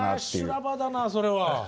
修羅場だなそれは。